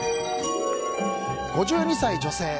５２歳女性。